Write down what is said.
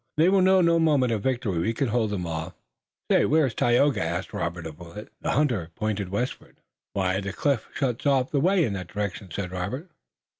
"They will know no moment of victory. We can hold them off." "Where is Tayoga?" asked Robert of Willet. The hunter pointed westward. "Why, the cliff shuts off the way in that direction!" said Robert.